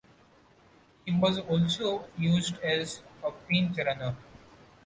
He was also used as a pinch-runner.